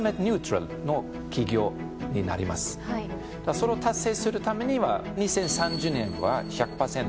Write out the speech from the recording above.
それを達成するためには２０３０年は１００％